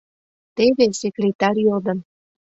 — Теве, секретарь йодын...